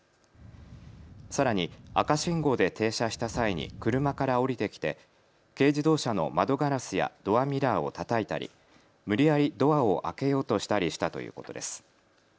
さらに赤信号で停車した際に車から降りてきて軽自動車の窓ガラスやドアミラーをたたいたり、無理やりドアを開けようとしたりしたということです。